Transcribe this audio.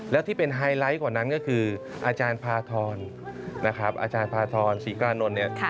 แล้วที่เป็นไฮไลท์กว่านั้นก็คืออาจารย์พาธรนะครับอาจารย์พาทรศรีกานนท์เนี่ย